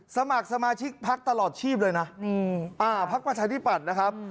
สมัครสมาชิกพักตลอดชีพเลยนะพักประชาธิปัตย์นะครับ